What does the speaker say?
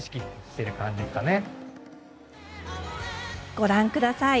ご覧ください。